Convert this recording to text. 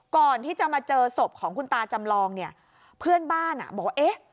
ก่อนที่จะมาเจอศพของคุณตาจำลองเนี่ยเพื่อนบ้านอ่ะบอกว่าเอ๊ะ